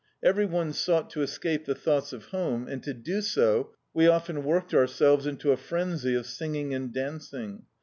Every one sought to escape the thoughts of home, and to do so, we often worked ourselves into a frenzy of singing and dancing.